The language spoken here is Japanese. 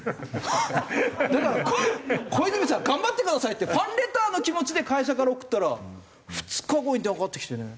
「だから小泉さん頑張ってください」ってファンレターの気持ちで会社から送ったら２日後に電話かかってきてね。